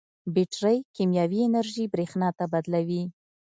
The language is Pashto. بیټرۍ کیمیاوي انرژي برېښنا ته بدلوي.